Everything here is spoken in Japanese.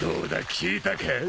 効いたか？